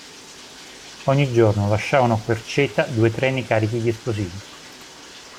Ogni giorno lasciavano Querceta due treni carichi di esplosivi.